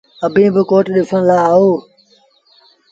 اڀيٚن با ڪوٽ ڏسڻ لآ آئو۔